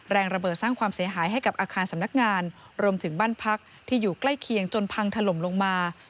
แรงระเบิดสร้างความเสียหายให้กับอาคารสำนักงานรวมถึงบ้านพักที่อยู่ใกล้เคียงจนพังถล่มลงมา